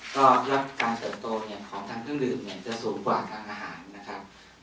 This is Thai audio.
ก็เลือกการเติบโตของทางเครื่องดื่มจะสูงกว่าทางอาหาร